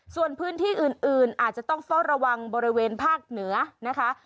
ส่วนพื้นที่อื่นอาจจะต้องเฝ้าระวังบริเวณภาคเหนือนะคะ